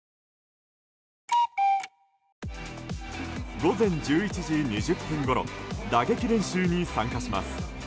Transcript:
午前１１時２０分ごろ打撃練習に参加します。